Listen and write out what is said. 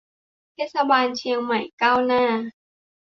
เทศบาลเชียงใหม่ก้าวหน้า